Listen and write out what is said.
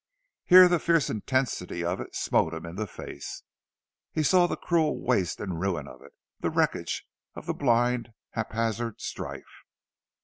Here the fierce intensity of it smote him in the face—he saw the cruel waste and ruin of it, the wreckage of the blind, haphazard strife.